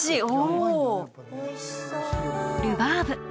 おルバーブ